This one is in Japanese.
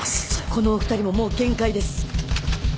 このお二人ももう限界です